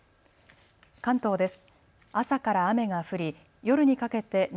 関東です。